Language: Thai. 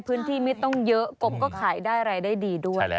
พื้นที่ไม่ต้องเยอะกบก็ขายได้รายได้ดีด้วย